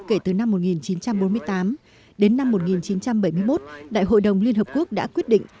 kể từ năm một nghìn chín trăm bốn mươi tám đến năm một nghìn chín trăm bảy mươi một đại hội đồng liên hợp quốc đã quyết định